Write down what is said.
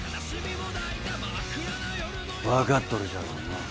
分かっとるじゃろうのう。